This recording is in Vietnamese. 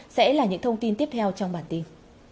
sẽ là những thông tin tiếp theo trong bản tin